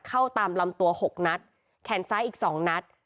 เข้าตามลำตัว๖นัดแขนซ้ายอีก๒นัด